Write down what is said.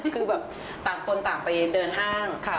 คือแบบต่างคนต่างไปเดินห้าง